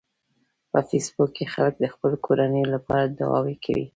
په فېسبوک کې خلک د خپلو کورنیو لپاره دعاوې کوي